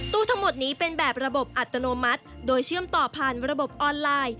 ทั้งหมดนี้เป็นแบบระบบอัตโนมัติโดยเชื่อมต่อผ่านระบบออนไลน์